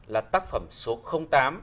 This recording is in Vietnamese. là tác phẩm số tám